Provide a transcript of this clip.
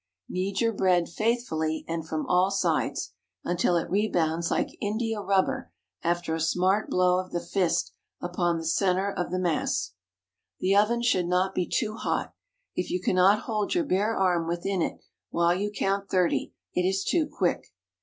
Knead your bread faithfully and from all sides, until it rebounds like india rubber after a smart blow of the fist upon the centre of the mass. The oven should not be too hot. If you cannot hold your bare arm within it while you count thirty, it is too quick.